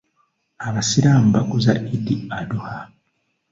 Abasiraamu bakuza Eid Adhuha.